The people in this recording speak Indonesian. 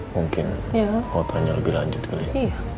mungkin waktu hanya lebih lanjut kali ya